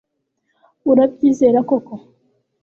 Urabyizera koko